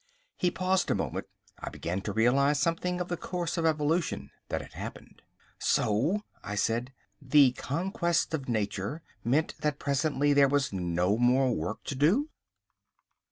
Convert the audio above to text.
He paused a moment. I began to realise something of the course of evolution that had happened. "So," I said, "the conquest of nature meant that presently there was no more work to do?"